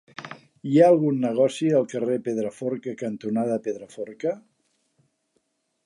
Hi ha algun negoci al carrer Pedraforca cantonada Pedraforca?